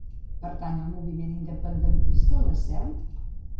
Pertany al moviment independentista la Cel?